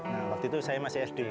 nah waktu itu saya masih sd